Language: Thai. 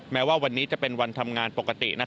แม้ว่าวันนี้จะเป็นวันทำงานปกติ